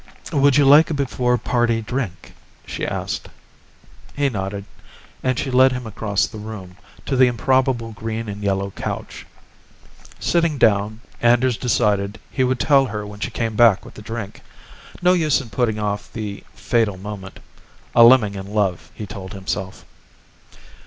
"Would you like a before party drink?" she asked. He nodded, and she led him across the room, to the improbable green and yellow couch. Sitting down, Anders decided he would tell her when she came back with the drink. No use in putting off the fatal moment. A lemming in love, he told himself.